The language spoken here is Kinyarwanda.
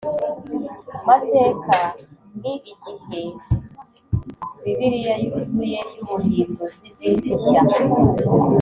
Mateka ni igihe bibiliya yuzuye y ubuhinduzi bw isi nshya